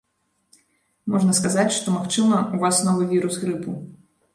Можна сказаць, што, магчыма, ў вас новы вірус грыпу.